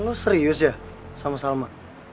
lo serius ya sama sama